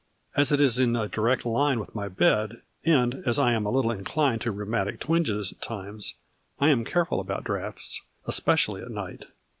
As it is in a direct line with my bed, and, as I am a little inclined to rheumatic twinges at times, I am careful about draughts, especially at night.